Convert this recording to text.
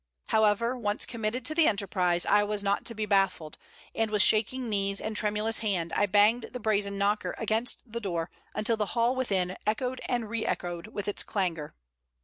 However, once committed to the enterprise, I was not to be baffled, and with shaking knees and tremulous hand I banged the brazen knocker against the door until the hall within echoed and re echoed with its clangor.